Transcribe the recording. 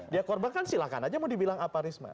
dia korbankan silahkan aja mau dibilang apa risma